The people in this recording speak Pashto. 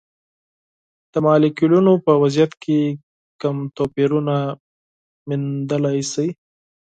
د مالیکولونو په وضعیت کې کوم توپیرونه موندلی شئ؟